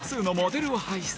多数のモデルを輩出。